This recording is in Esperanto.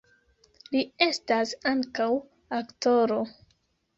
Li estas ankaŭ aktoro.